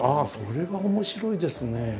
それは面白いですね。